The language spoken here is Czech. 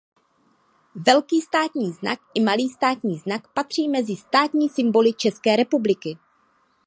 Velký státní znak i malý státní znak patří mezi státní symboly České republiky.